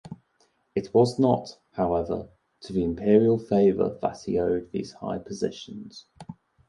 It was not, however, to the imperial favor that he owed these high positions.